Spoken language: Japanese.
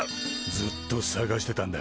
ずっとさがしてたんだ。